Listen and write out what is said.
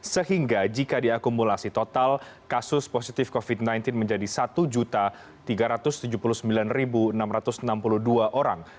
sehingga jika diakumulasi total kasus positif covid sembilan belas menjadi satu tiga ratus tujuh puluh sembilan enam ratus enam puluh dua orang